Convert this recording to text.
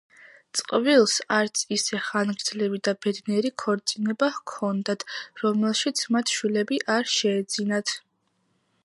წყვილს არც ისე ხანგრძლივი და ბედნიერი ქორწინება ჰქონდათ, რომელშიც მათ შვილები არ შეეძინათ.